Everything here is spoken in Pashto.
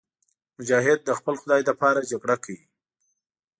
مجاهد د خپل خدای لپاره جګړه کوي.